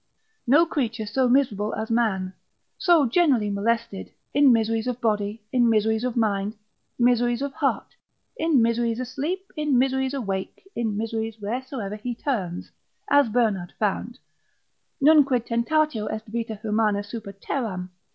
No creature so miserable as man, so generally molested, in miseries of body, in miseries of mind, miseries of heart, in miseries asleep, in miseries awake, in miseries wheresoever he turns, as Bernard found, Nunquid tentatio est vita humana super terram?